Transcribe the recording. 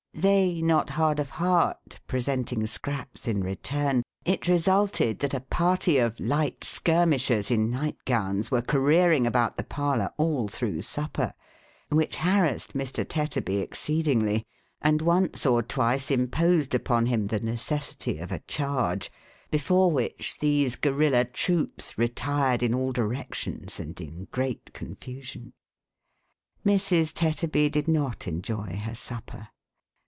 They, not hard of heart, presenting scraps in retuni, it resulted that a party of light skirmishers in night gowns were careering about the parlour all through supper, which harassed Mr. Tetterby ex ceedingly, and once or twice imposed upon him the necessity of a charge, before which these guerilla troops retired in all directions and in great confusion. Mrs. Tetterby did not enjoy her supper.